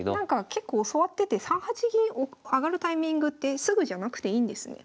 結構教わってて３八銀上がるタイミングってすぐじゃなくていいんですね。